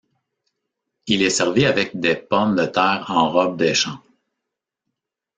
Il est servi avec des pommes de terre en robe des champs.